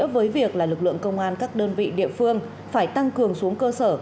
với việc là lực lượng công an các đơn vị địa phương phải tăng cường xuống cơ sở